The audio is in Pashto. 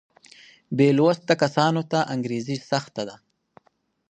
بې لوسته کسانو ته انګرېزي سخته ده.